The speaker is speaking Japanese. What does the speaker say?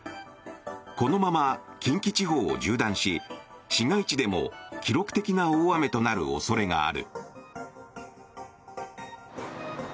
このまま近畿地方を縦断し市街地でも記録的な大雨となる恐れがある。